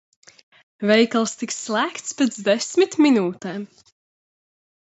Veikals tiks slēgts pēc desmit minūtēm.